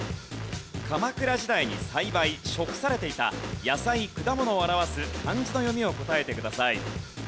鎌倉時代に栽培食されていた野菜・果物を表す漢字の読みを答えてください。